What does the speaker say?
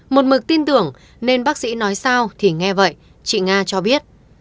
một mực tin tưởng nên bác sĩ nói sao thì nghe vậy chị nga cho biết